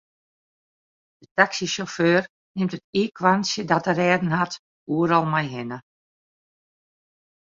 De taksysjauffeur nimt it iikhoarntsje dat er rêden hat oeral mei hinne.